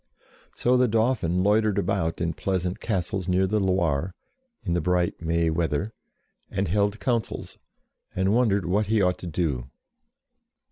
So the Dauphin loitered about in pleasant castles near the Loire, in the bright May weather, and held councils, and wondered what he ought to do.